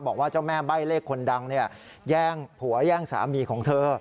บอกว่าเจ้าแม่ใบ้เลขคนดังแย่งผัวแย่งสามีของเธอ